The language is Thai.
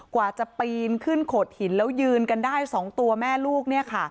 กว่าจะปีนขึ้นโขดหินแล้วยืนกันได้๒ตัวแม่ลูก